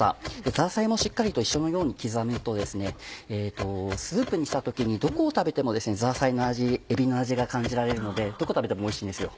ザーサイもしっかりと一緒のように刻むとスープにした時にどこを食べてもザーサイの味えびの味が感じられるのでどこを食べてもおいしいんですよ。